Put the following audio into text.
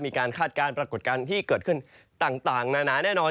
คาดการณ์ปรากฏการณ์ที่เกิดขึ้นต่างนานาแน่นอน